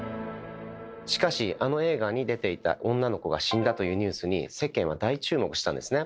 しかし「あの映画に出ていた女の子が死んだ」というニュースに世間は大注目したんですね。